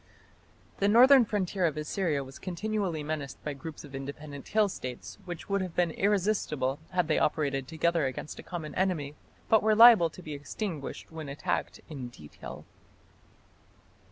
The northern frontier of Assyria was continually menaced by groups of independent hill States which would have been irresistible had they operated together against a common enemy, but were liable to be extinguished when attacked in detail.